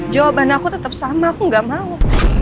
jawaban aku tetap sama aku gak mau